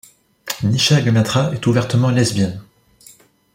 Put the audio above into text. Nisha Ganatra est ouvertement lesbienne.